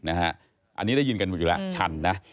อันนี้ได้ยินกันอยู่แล้วชันนะ